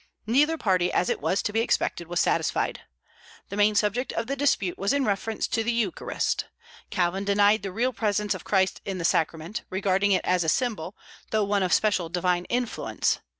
Neither party, as it was to be expected, was satisfied. The main subject of the dispute was in reference to the Eucharist. Calvin denied the real presence of Christ in the Sacrament, regarding it as a symbol, though one of special divine influence.